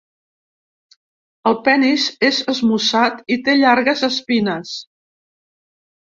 El penis és esmussat i té llargues espines.